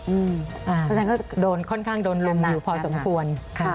เพราะฉะนั้นก็โดนค่อนข้างโดนลุมอยู่พอสมควร